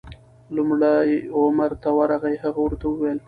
لومړی عمر ته ورغی، هغه ورته وویل: